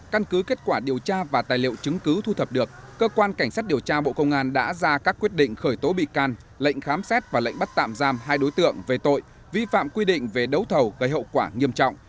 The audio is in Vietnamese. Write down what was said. căn cứ kết quả điều tra và tài liệu chứng cứ thu thập được cơ quan cảnh sát điều tra bộ công an đã ra các quyết định khởi tố bị can lệnh khám xét và lệnh bắt tạm giam hai đối tượng về tội vi phạm quy định về đấu thầu gây hậu quả nghiêm trọng